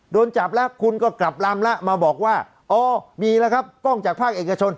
โดนจับแล้วคุณก็กลับลำแล้วมาบอกว่าอ๋อมีแล้วครับกล้องจากภาคเอกชน